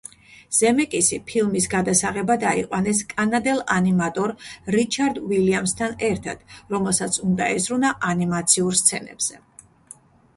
ზემეკისი ფილმის გადასაღებად აიყვანეს კანადელ ანიმატორ რიჩარდ უილიამსთან ერთად, რომელსაც უნდა ეზრუნა ანიმაციურ სცენებზე.